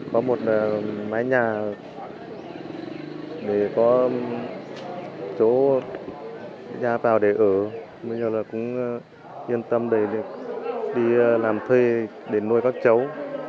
có một mái nhà để có chỗ ra vào để ở bây giờ là cũng yên tâm để được đi làm thuê để nuôi các cháu